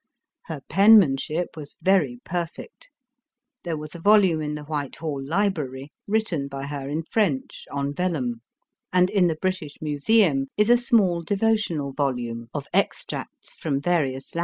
Her penmanship was very perfect ; there was a vol ume in the Whitehall library, written by her in French, on vellum ; and in the British Museum is a small devotional volume of extracts from various Ian ELIZABETH OF ENGLAND.